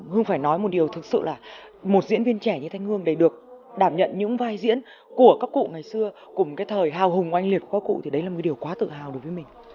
hương phải nói một điều thực sự là một diễn viên trẻ như thanh hương để được đảm nhận những vai diễn của các cụ ngày xưa cùng cái thời hào hùng oanh liệt của các cụ thì đấy là một điều quá tự hào đối với mình